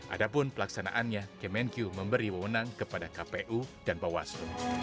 adapun pelaksanaannya kemenkyu memberi wawonan kepada kpu dan bawaslu